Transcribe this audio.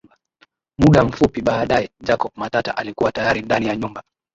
Muda mfupi baadae Jacob Matata alikuwa tayari ndani ya nyumba